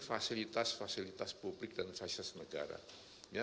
fasilitas fasilitas publik dan fasilitas negara